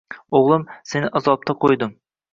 “O‘g‘lim, seni azobga qo‘ydim